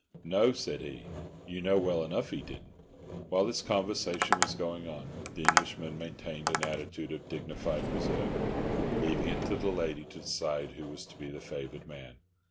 "No," said he. "You know well enough 'e didn't." While this conversation was going on, the English man maintained an attitude of dignified reserve, leaving it to the lady to decide who was to be the favoured man.